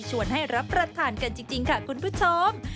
ให้รับประทานกันจริงค่ะคุณผู้ชม